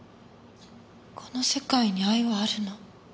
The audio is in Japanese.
「この世界に愛はあるの？」